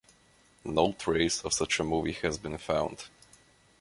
No trace of such a movie has been found.